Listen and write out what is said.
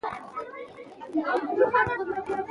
بادام د افغانستان د بڼوالۍ یوه مهمه برخه ده.